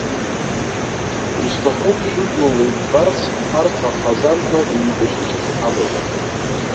Исҭахуп шәыблала ижәбарц ҳарҭ аҳазарқәа еибашьышьас иҳамоу.